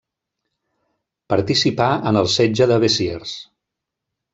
Participà en el setge de Besiers.